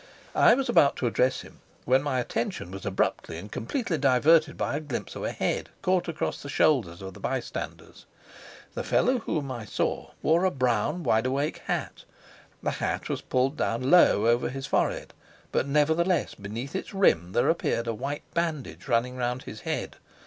I was about to address him, when my attention was abruptly and completely diverted by a glimpse of a head, caught across the shoulders of the bystanders. The fellow whom I saw wore a brown wide awake hat. The hat was pulled down low over his forehead, but nevertheless beneath its rim there appeared a white bandage running round his head.